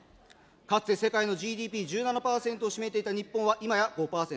かつて世界のＧＤＰ１７％を占めていた日本は、いまや５％。